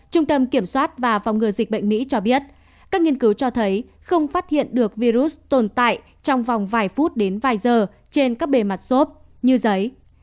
trung tâm kiểm soát và phòng ngừa dịch bệnh mỹ cho biết các nghiên cứu cho thấy không phát hiện được virus tồn tại trong vòng vài phút đến vài giờ trên các bề mặt sốt như giấy